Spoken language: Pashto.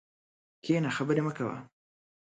کښېنه خبري مه کوه!